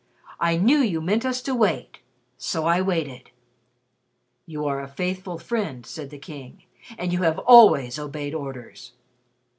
I knew you meant us to wait; so I waited." "You are a faithful friend," said the King, "and you have always obeyed orders!"